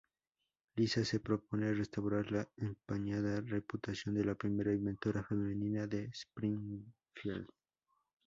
Lisa se propone restaurar la empañada reputación de la primera inventora femenina de Springfield.